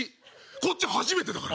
こっち初めてだから。